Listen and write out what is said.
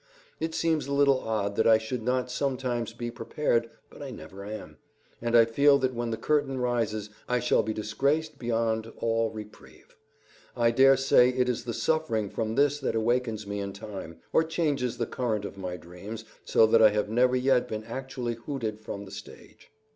It seems a little odd that I should not sometimes be prepared, but I never am, and I feel that when the curtain rises I shall be disgraced beyond all reprieve. I dare say it is the suffering from this that awakens me in time, or changes the current of my dreams so that I have never yet been actually hooted from the stage.